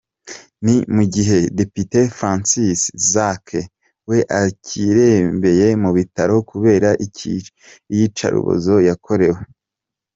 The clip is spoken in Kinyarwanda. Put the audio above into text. Ni mu gihe depite Francis Zaake we akirembeye mu bitaro kubera iyicarubozo yakorewe.